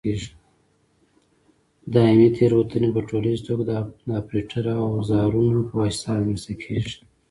دایمي تېروتنې په ټولیزه توګه د اپرېټر او اوزارونو په واسطه رامنځته کېږي.